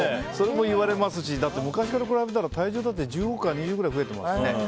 それも言われますしだって昔と比べたら体重だって１５から２０増えていますよね。